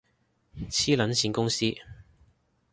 黐撚線公司